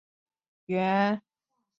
中共第十九届中央委员。